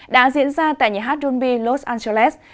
đã diễn ra tại nhà hát donbass los angeles